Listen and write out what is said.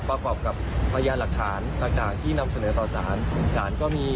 ประกอบกับพยานหลักฐานต่างที่นำเสนอต่อสารสารก็มี